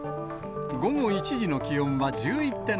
午後１時の気温は１１．６度。